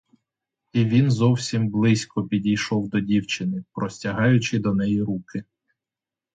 І він зовсім близько підійшов до дівчини, простягаючи до неї руки.